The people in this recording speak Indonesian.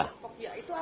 pokoknya itu apa